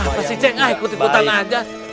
ah kasih cek ikutin putaran aja